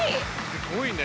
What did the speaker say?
すごいね。